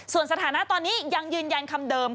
ส่วนสถานะตอนนี้ยังยืนยันคำเดิม